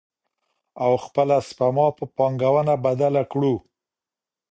او خپله سپما په پانګونه بدله کړو.